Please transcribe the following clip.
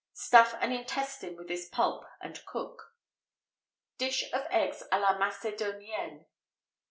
Stuff an intestine with this pulp, and cook.[XVIII 85] _Dish of Eggs à la Macédonienne.